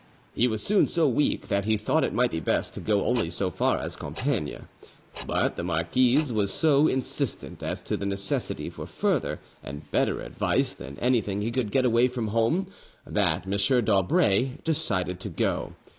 He was soon so weak that he thought it might be best to go only so far as Compiegne, but the marquise was so insistent as to the necessity for further and better advice than anything he could get away from home, that M. d'Aubray decided to go.